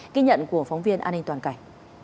kinh nhận của phóng viên an ninh toàn cải